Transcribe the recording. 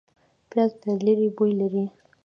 پیاز له لرې بوی لري